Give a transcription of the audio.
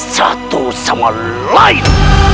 satu sama lain